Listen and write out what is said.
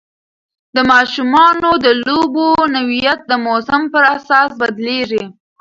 د ماشومانو د لوبو نوعیت د موسم پر اساس بدلېږي.